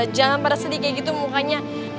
jangan pada sedih kayak gitu mukanya